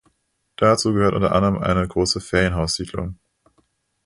Dazu gehört unter anderem eine große Ferienhaussiedlung.